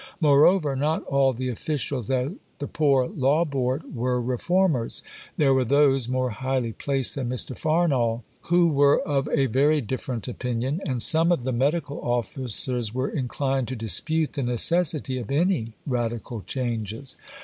Moreover, not all the officials at the Poor Law Board were reformers; there were those, more highly placed than Mr. Farnall, who were of a very different opinion; and some of the medical officers were inclined to dispute the necessity of any radical changes.